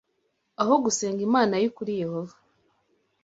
aho gusenga Imana y’ukuri Yehova